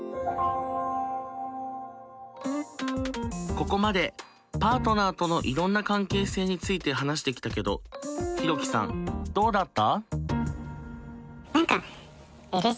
ここまでパートナーとのいろんな関係性について話してきたけどヒロキさんどうだった？